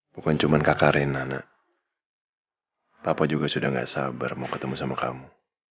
bukan cuman kakarena anak papa juga sudah nggak sabar mau ketemu sama kamu